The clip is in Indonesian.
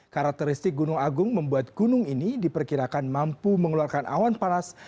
karakteristik gunung agung membuat gunung ini diperkirakan mampu mengeluarkan awan panas